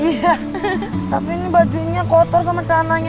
iya tapi ini bajunya kotor sama celananya